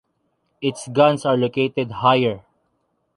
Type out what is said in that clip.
Its guns are located higher.